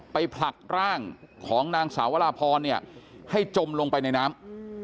ผลักร่างของนางสาววราพรเนี่ยให้จมลงไปในน้ำ